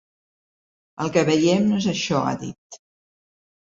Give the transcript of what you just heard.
El que veiem no és això, ha dit.